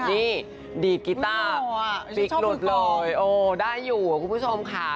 นี่ดีดกีต้าฟิกหลุดเลยโอ้ได้อยู่คุณผู้ชมค่ะ